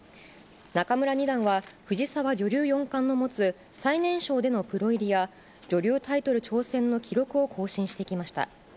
仲邑二段は、藤沢女流四冠の持つ最年少でのプロ入りや、女流タイトル挑戦の記録を更新してきました。